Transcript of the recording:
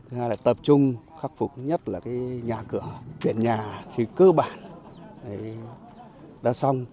thứ hai là tập trung khắc phục nhất là nhà cửa chuyển nhà thì cơ bản đã xong